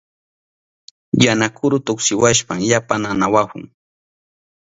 Yana kuru tuksiwashpan yapa nanawahun.